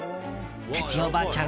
哲代おばあちゃん